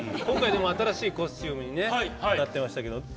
今回でも新しいコスチュームにねなってましたけど。